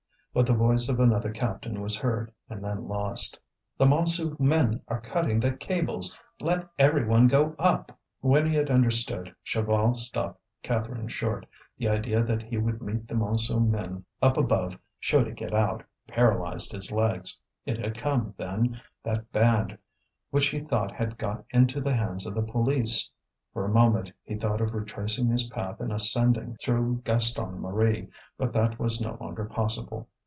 But the voice of another captain was heard and then lost: "The Montsou men are cutting the cables! Let every one go up!" When he had understood, Chaval stopped Catherine short. The idea that he would meet the Montsou men up above, should he get out, paralysed his legs. It had come, then, that band which he thought had got into the hands of the police. For a moment he thought of retracing his path and ascending through Gaston Marie, but that was no longer possible.